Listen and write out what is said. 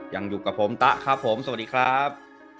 ยังอยู่กับผมตะครับผมสวัสดีครับ